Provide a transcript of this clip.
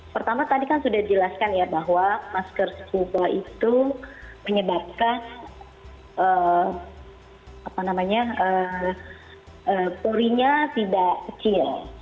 pertama tadi kan sudah dijelaskan ya bahwa masker scuba itu menyebabkan purinya tidak kecil